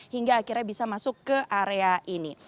hingga akhirnya bisa masuk ke area ini